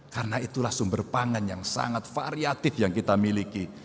karena itulah sumber pangan yang sangat variatif yang kita miliki